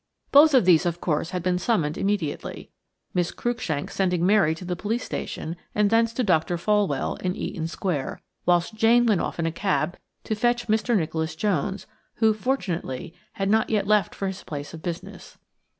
Both these, of course, had been summoned immediately; Miss Cruikshank sending Mary to the police station and thence to Dr. Folwell, in Eaton Square, whilst Jane went off in a cab to fetch Mr. Nicholas Jones, who, fortunately, had not yet left for his place of business.